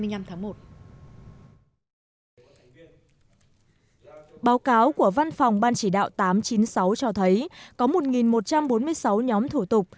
báo cáo của văn phòng ban chỉ đạo tám trăm chín mươi sáu cho thấy có một một trăm bốn mươi sáu nhóm thủ tục